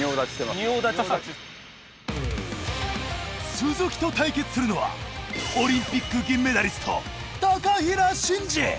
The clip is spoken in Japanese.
鈴木と対決するのはオリンピック銀メダリスト